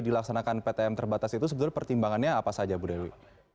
dilaksanakan ptm terbatas itu sebetulnya pertimbangannya apa saja bu dewi